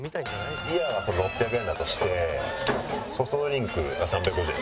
ビアが６００円だとしてソフトドリンクが３５０円でしょ。